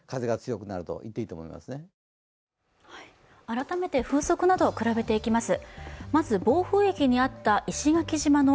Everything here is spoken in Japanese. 改めて風速などを比べていきます。